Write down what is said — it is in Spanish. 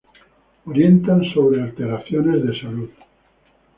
Orientan sobre alteraciones de salud.